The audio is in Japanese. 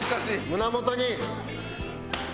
胸元に。